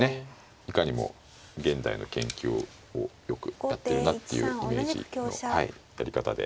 いかにも現代の研究をよくやってるなっていうイメージのはいやり方で。